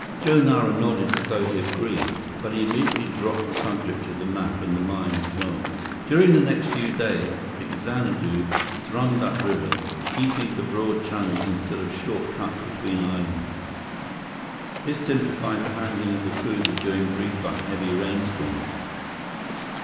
Joe Nara nodded as though he agreed; but he immediately dropped the subject of the map and the mine as well. During the next few days, the Xanadu thrummed upriver, keeping to broad channels instead of short cuts between islands. This simplified the handling of the cruiser during brief but heavy rainstorms.